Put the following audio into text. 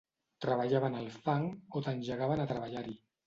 Treballaven el fang o t'engegaven a treballar-hi.